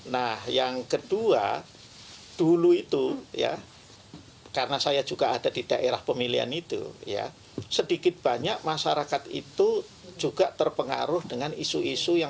nah yang kedua dulu itu ya karena saya juga ada di daerah pemilihan itu ya sedikit banyak masyarakat itu juga terpengaruh dengan isu isu yang